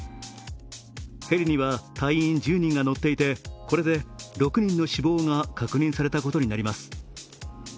ヘリには隊員１０人が乗っていてこれで６人の死亡が確認されたことになります。